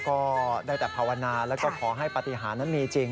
ก็ได้แต่ภาวนาแล้วก็ขอให้ปฏิหารนั้นมีจริง